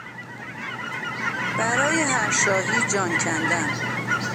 برای هر شاهی جان کندن